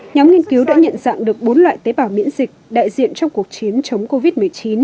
nhóm nghiên cứu đã nhận dạng được bốn loại tế bào miễn dịch đại diện trong cuộc chiến chống covid một mươi chín